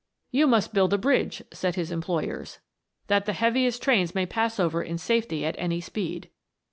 " You must build a bridge," said his employers, 328 THE WONDERFUL LAMP. " that the heaviest trains may pass over in safety at any speed.